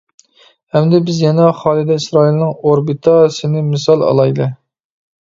ئەمدى بىز يەنە خالىدە ئىسرائىلنىڭ «ئوربىتا» سىنى مىسال ئالايلى.